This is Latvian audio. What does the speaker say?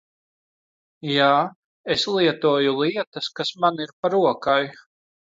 Jā, es lietoju lietas kas man ir pa rokai.